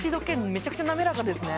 めちゃくちゃ滑らかですね